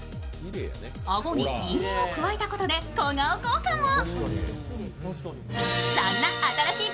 あごに陰影を加えたことで、小顔効果も。